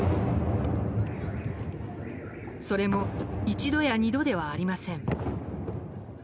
それも一度や二度ではありません。